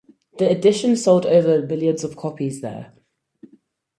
This edition sold over a million copies there.